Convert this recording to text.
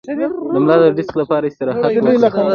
د ملا د ډیسک لپاره استراحت وکړئ